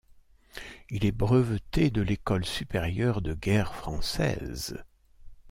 Il est breveté de l’École supérieure de guerre française.